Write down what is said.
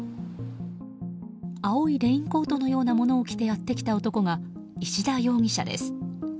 青いレインコートのようなものを着てやってきた男が石田容疑者です。